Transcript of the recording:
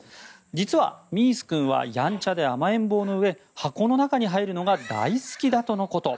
実はミース君はやんちゃで甘えん坊のうえ箱の中に入るのが大好きだとのこと。